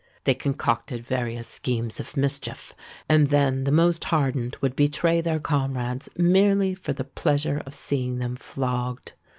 They concocted various schemes of mischief, and then the most hardened would betray their comrades merely for the pleasure of seeing them flogged!